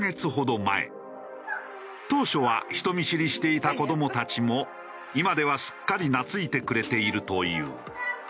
当初は人見知りしていた子どもたちも今ではすっかり懐いてくれているという。